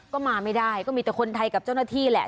ก็มาไม่ได้ก็มีแต่คนไทยกับเจ้าหน้าที่แหละ